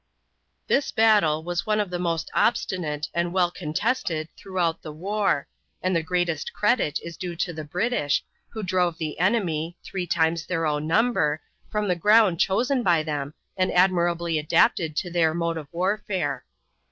This battle was one of the most obstinate and well contested throughout the war, and the greatest credit is due to the British, who drove the enemy, three times their own number, from the ground chosen by them and admirably adapted to their mode of warfare.